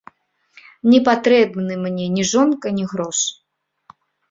Не патрэбны мне ні жонка, ні грошы.